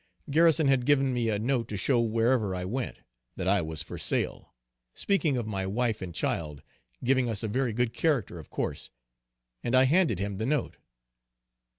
Garrison had given me a note to show wherever I went, that I was for sale, speaking of my wife and child, giving us a very good character of course and I handed him the note.